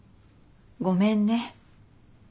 ごめんね。